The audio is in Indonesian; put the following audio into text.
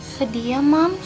sedih ya mam